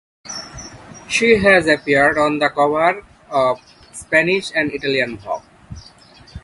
She has appeared on the cover of Spanish and Italian "Vogue".